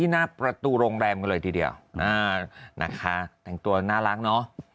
หน้าประตูโรงแรมกันเลยทีเดียวนะคะแต่งตัวน่ารักเนอะ